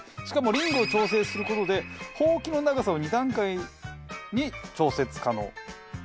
しかもリングを調整する事でほうきの長さを２段階に調節可能。